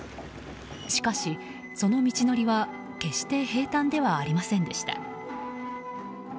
しかし、その道のりは決して平たんではありませんでした。